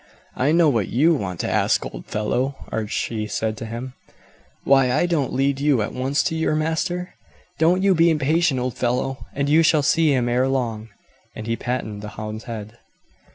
"I know what you want to ask, old fellow," Archie said to him; "why I don't lead you at once to your master? Don't you be impatient, old fellow, and you shall see him ere long;" and he patted the hound's head.